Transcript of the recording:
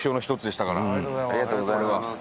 千賀：ありがとうございます。